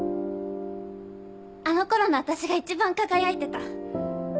あの頃の私が一番輝いてた。